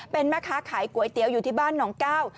เป็นแม่ค้าขายก๋วยเตี๋ยวอยู่ที่บ้านหนองก้าว